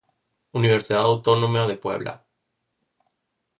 Universidad Autónoma de Puebla.